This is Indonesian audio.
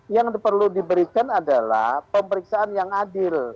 yang perlu diberikan adalah pemeriksaan yang adil